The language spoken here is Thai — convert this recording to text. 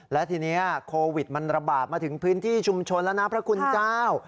และทีนี้โควิดมันระบาดมาถึงพื้นที่ชุมชนแล้วนะพระคุณเจ้า